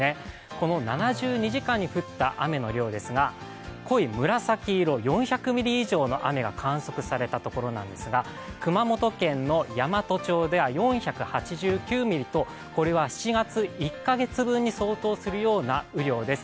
この７２時間に降った雨の量ですが濃い紫色、４００ミリ以上の雨が観測されたところなんですが熊本県の山都町では４８９ミリとこれは７月、１か月分に相当するような雨量です。